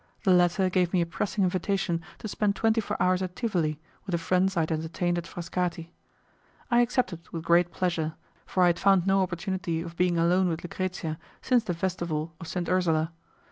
The latter gave me a pressing invitation to spend twenty four hours at Tivoli with the friends I had entertained at Frascati. I accepted with great pleasure, for I had found no opportunity of being alone with Lucrezia since the Festival of St. Ursula.